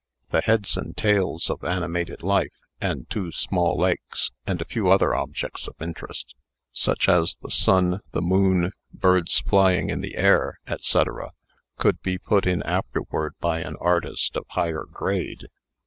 The heads and tails of animated life, the two small lakes, and a few other objects of interest, such as the sun, the moon, birds flying in the air, &c., could be put in afterward by an artist of higher grade.